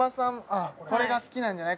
これが好きなんじゃない？